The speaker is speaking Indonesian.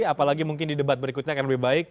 apalagi mungkin di debat berikutnya akan lebih baik